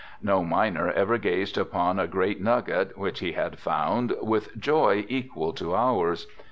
No miner ever gazed upon a great nugget which he had found, with joy equal to ours.